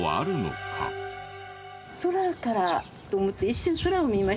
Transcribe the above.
空からと思って一瞬空を見ました。